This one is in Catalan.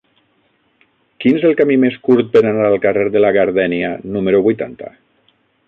Quin és el camí més curt per anar al carrer de la Gardènia número vuitanta?